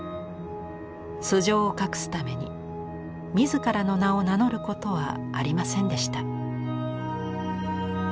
素性を隠すために自らの名を名乗ることはありませんでした。